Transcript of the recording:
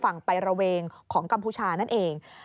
ไประเวงของกัมพูชานั่นเอง